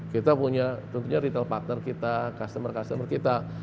kita punya tentunya retail partner kita customer customer kita